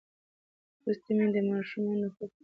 لوستې میندې د ماشومانو د خوب مخکې پاکوالی ساتي.